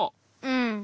うん。